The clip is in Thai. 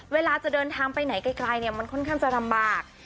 เวลาจะเดินทางไปไหนไกลมันค่อนข้างจะลำบาก